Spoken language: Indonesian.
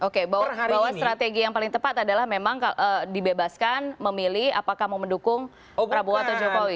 oke bahwa strategi yang paling tepat adalah memang dibebaskan memilih apakah mau mendukung prabowo atau jokowi